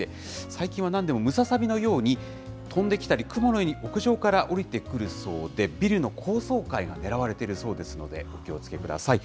最近はなんでもムササビのように、飛んできたり、クモのように屋上から下りてくるそうで、ビルの高層階が狙われているそうですので、お気をつけください。